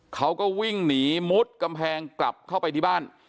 เขาก็วิ่งหนีมุดกำแพงกลับเข้าไปที่บ้าน